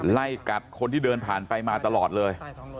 ไล่กัดคนที่เดินผ่านไปมาตลอดเลย